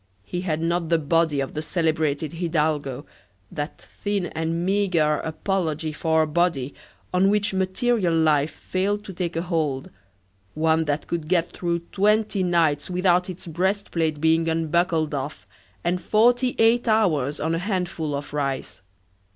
he had not the body of the celebrated hidalgo, that thin and meagre apology for a body, on which material life failed to take a hold; one that could get through twenty nights without its breast plate being unbuckled off, and forty eight hours on a handful of rice.